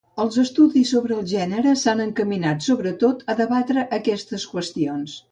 Els estudis sobre el gènere s'han encaminat sobretot a debatre aquestes qüestions.